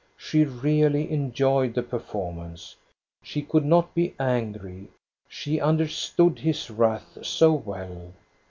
She really enjoyed the performance. She could not be angry, she understood his wrath so well.